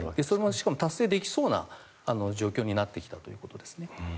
しかもそれが達成できそうな状況になってきたということですね。